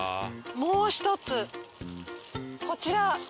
もう１つこちら。